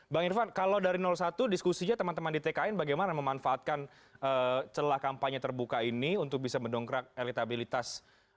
bang irfan kalau dari satu diskusinya teman teman di tkn bagaimana memanfaatkan celah kampanye terbuka ini untuk bisa mendongkrak elektabilitas